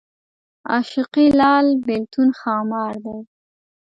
عاشقي لال بېلتون ښامار دی